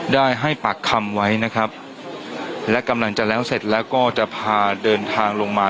ได้ให้ปากคำไว้นะครับและกำลังจะแล้วเสร็จแล้วก็จะพาเดินทางลงมา